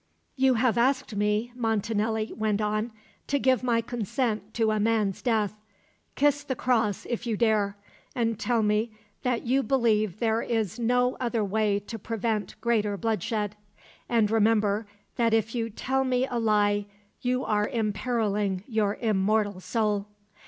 "You have asked me," Montanelli went on, "to give my consent to a man's death. Kiss the cross, if you dare, and tell me that you believe there is no other way to prevent greater bloodshed. And remember that if you tell me a lie you are imperilling your immortal soul."